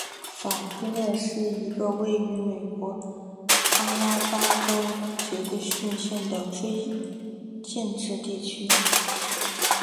法克勒是一个位于美国阿拉巴马州杰克逊县的非建制地区。